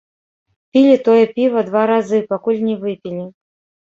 Пілі тое піва два разы, пакуль не выпілі.